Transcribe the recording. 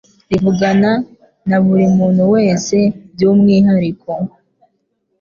rivugana na buri muntu wese by’umwihariko,